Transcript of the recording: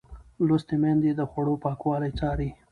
لوستې میندې د خوړو پاکوالی څاري.